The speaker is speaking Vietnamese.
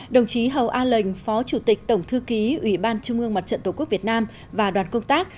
đồng chí hầu a lệnh phó chủ tịch tổng thư ký ủy ban trung ương mặt trận tổ quốc việt nam và đoàn công tác